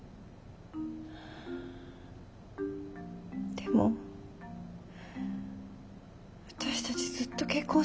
でも私たちずっと結婚生活してるよね？